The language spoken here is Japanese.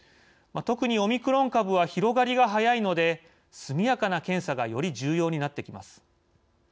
特にオミクロン株は広がりが速いので速やかな検査がより重要になってきます。